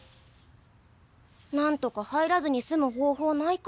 なんとか入らずに済む方法ないかな。